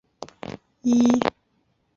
他藏有天文学和力学方面的珍贵书籍。